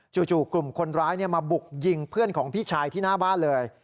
จู่กลุ่มคนร้ายมาบุกยิงเพื่อนของพี่ชายที่หน้าบ้านเลย